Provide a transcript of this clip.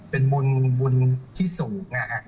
เป็นบุญที่สูง